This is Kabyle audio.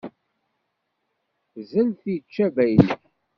Zzelt ičča baylek.